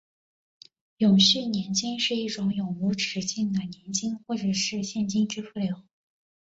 永续年金是一种永无止境的年金或者现金支付流。